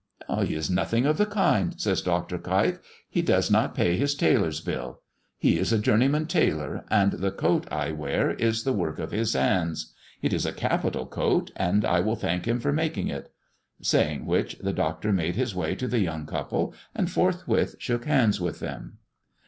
"He is nothing of the kind," says Dr. Keif; "he does not pay his tailor's bill. He is a journeyman tailor, and the coat I wear is the work of his hands; it is a capital coat, and I will thank him for making it." Saying which, the Doctor made his way to the young couple, and forthwith shook hands with them.